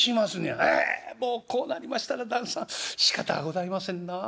「ああもうこうなりましたら旦さんしかたがございませんなあ。